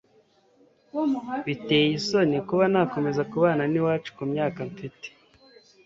Biteye isoni kuba nakomeza kubana n'iwacu ku myaka mfite